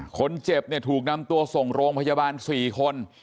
คนเจ็บเนี่ยถูกนำตัวส่งโรงพยาบาล๔คน